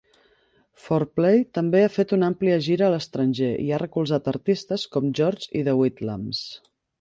FourPlay també ha fet una àmplia gira a l'estranger i ha recolzat artistes com George i The Whitlams.